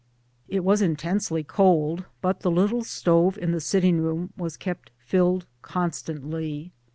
It was intensely cold, but the little stove in the sitting room was kept filled constantly.